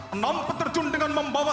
enam peterjun dengan membawa